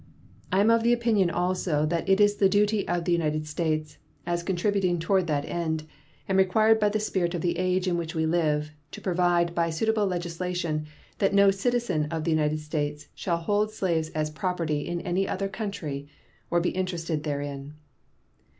I am of opinion also that it is the duty of the United States, as contributing toward that end, and required by the spirit of the age in which we live, to provide by suitable legislation that no citizen of the United States shall hold slaves as property in any other country or be interested therein.